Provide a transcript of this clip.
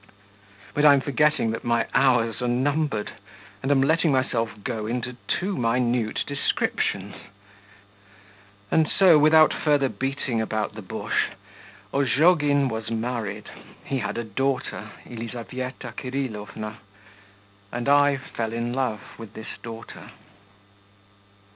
But I am forgetting that my hours are numbered, and am letting myself go into too minute descriptions. And so, without further beating about the bush, Ozhogin was married, he had a daughter, Elizaveta Kirillovna, and I fell in love with this daughter.